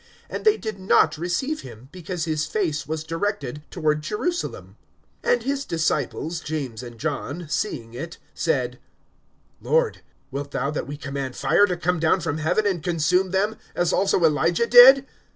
(53)And they did not receive him, because his face was directed toward Jerusalem. (54)And his disciples, James and John, seeing it, said: Lord, wilt thou that we command fire to come down from heaven, and consume them, as also Elijah did?